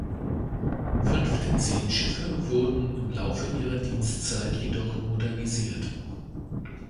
Fünf der zehn Schiffe wurden im Laufe ihrer Dienstzeit jedoch modernisiert.